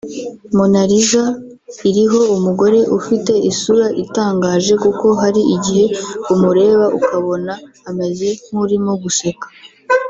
Mona Lisa iriho umugore ufite isura itangaje kuko hari igihe umureba ukabona ameze nk’urimo guseka